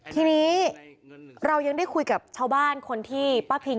ทีนี้เรายังได้คุยกับชาวบ้านคนที่ป้าพิง